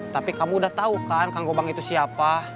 tapi kamu udah tahu kan kang gobang itu siapa